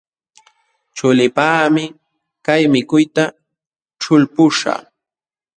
Chuliipaqmi kay mikuyta ćhulpuśhaq.